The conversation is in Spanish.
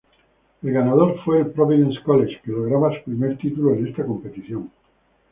El ganador fue el Providence College, que lograba su primer título en esta competición.